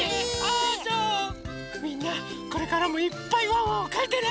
みんなこれからもいっぱいワンワンをかいてね！